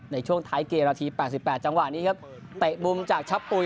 ในช่วงท้ายเกมราทีแปดสิบแปดจังหวะนี้ครับตะปุมจากชับปุ่ย